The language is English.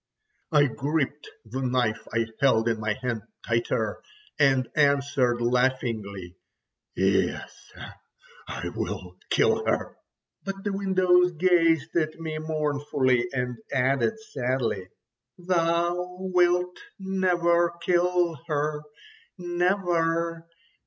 I gripped the knife I held in my hand tighter, and answered laughingly: "Yes, I will kill her." But the windows gazed at me mournfully, and added sadly: "Thou wilt never kill her. Never!